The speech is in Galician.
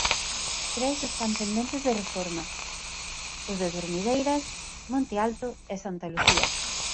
Tres están pendentes de reforma: os de Durmideiras, Monte Alto e Santa Lucía.